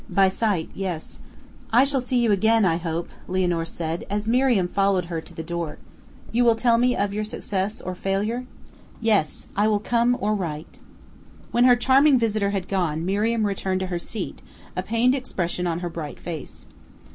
"By sight, yes." "I shall see you again, I hope," Lianor said, as Miriam followed her to the door. "You will tell me of your success or failure?" "Yes; I will come or write." When her charming visitor had gone, Miriam returned to her seat, a pained expression on her bright face.